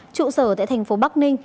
trụ sở tại thành phố bắc ninh